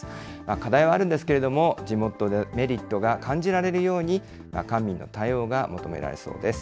課題はあるんですけれども、地元でメリットが感じられるように、官民の対応が求められそうです。